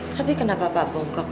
tapi kenapa pak bongkok